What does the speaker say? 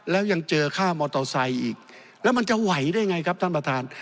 แล้วยังเจอค่ามอเตอร์ไซค์อีกแล้วมันจะไหวได้ไงครับท่านประธาน